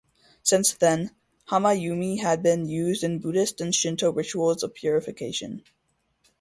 Since then, Hama Yumi have been used in Buddhist and Shinto rituals of purification.